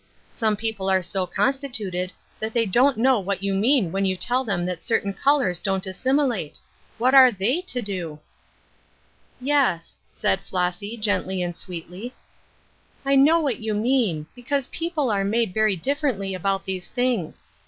Some people are so constituted that they don't know what you mean when you tell them that certain colors don't as similate ; what are thei/ to do ?" "Yes," said Flossy, gently and sweetly, "I 116 Ruth JEJrskines Crosses. kuow what you mean, because people atc mac^j very differently about these things.